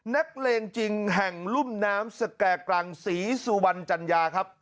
นักเลงจริงแห่งรุ่มน้ำสแก่กรังศรีสุวรรณจัญญาครับ